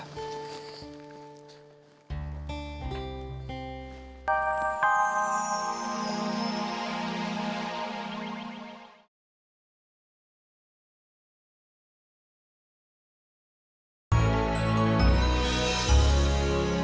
aku mau tidur